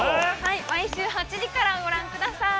毎週８時からご覧ください。